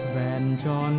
còn như chiếc nón